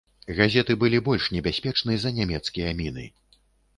Газеты былі больш небяспечны за нямецкія міны.